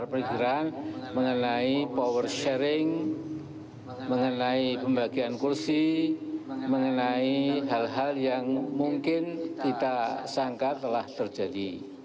perkiraan mengenai power sharing mengenai pembagian kursi mengenai hal hal yang mungkin kita sangka telah terjadi